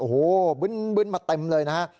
โอ้โหบึ้นมาเต็มเลยนะฮะ